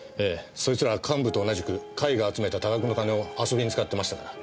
そいつら幹部と同じく会が集めた多額の金を遊びに使ってましたから。